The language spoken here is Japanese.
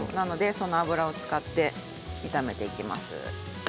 その脂を使って炒めていきます。